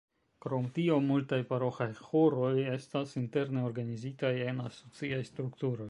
Krom tio multaj paroĥaj ĥoroj estas interne organizitaj en asociaj strukturoj.